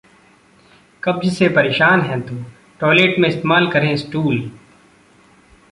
कब्ज से परेशान हैं तो टॉयलेट में इस्तेमाल करें स्टूल